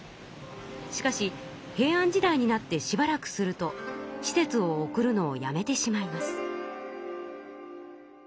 しかし平安時代になってしばらくすると使節を送るのをやめてしまいます。